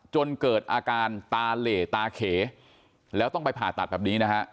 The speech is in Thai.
จนเกิดอาการตาเหลตาเขแล้วต้องไปผ่าตัดแบบนี้นะฮะ